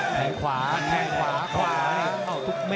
ตันแข่งขวาใช้